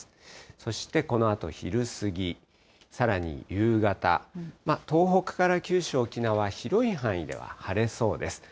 そしてこのあと昼過ぎ、さらに夕方、東北から九州、沖縄、広い範囲では晴れそうです。